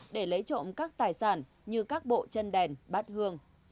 để lấy trộm các tài sản như các bộ chân đèn bát hương